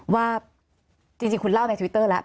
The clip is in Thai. ว่าจริงคุณเล่าในทวิตเตอร์แล้ว